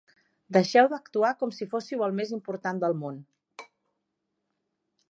Deixeu d'actuar com si fóssiu el més important del món.